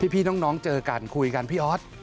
พี่น้องเจอกันคุยกันพี่ออส